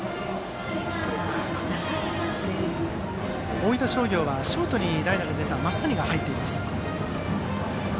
大分商業は、ショートに代打で出た桝谷が入っています。